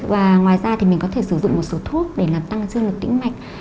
và ngoài ra thì mình có thể sử dụng một số thuốc để làm tăng dư lực tĩnh mạch